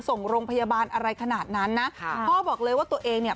ส่งโรงพยาบาลอะไรขนาดนั้นนะค่ะพ่อบอกเลยว่าตัวเองเนี่ย